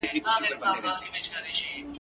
ځیني افسران لا هم پوښتنه کوي.